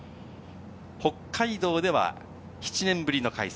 北海道では７年ぶりの開催。